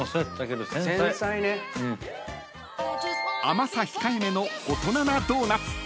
［甘さ控えめの大人なドーナツ］